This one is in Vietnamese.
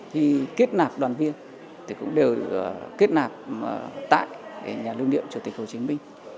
thì kết nạp đoàn viên thì cũng đều kết nạp tại nhà lương niệm chủ tịch hồ chí minh